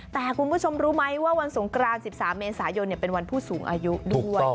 แต่คุณผู้ชมรู้ไหมว่าวันสงกราน๑๓เมษายนเป็นวันผู้สูงอายุด้วย